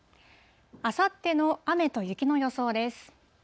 あさっての雨と雪の予想です。